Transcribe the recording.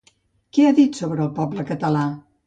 Què ha dit sobre el poble català?